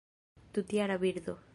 Tutjara birdo.